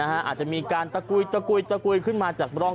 อาจจะมีการตะกุยตะกุยตะกุยขึ้นมาจากร่อง